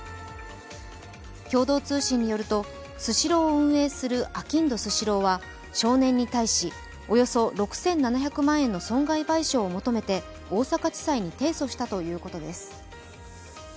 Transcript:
共同通信によるとスシローを運営するあきんどスシローは少年に対し、およそ６７００万円の損害賠償を求めて大阪地裁に提訴したということです。